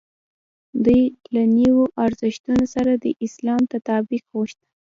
دوی له نویو ارزښتونو سره د اسلام تطابق غوښت.